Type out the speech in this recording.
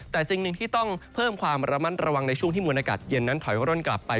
แต่สิ่งหนึ่งที่ต้องเพิ่มความระมัดระวังในช่วงที่มวลอากาศเย็นนั้นถอยร่นกลับไป